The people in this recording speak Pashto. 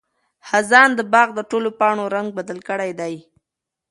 خزان د باغ د ټولو پاڼو رنګ بدل کړی دی.